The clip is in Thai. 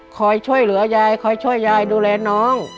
คอยช่วยเหลือยายคอยช่วยยายดูแลน้อง